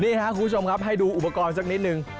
นี่ครับคุณผู้ชมครับให้ดูอุปกรณ์สักนิดนึง